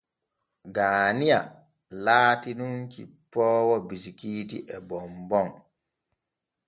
Gaaniya laati nun cippoowo bisikiiiti e bombom.